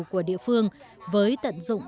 của địa phương với tận dụng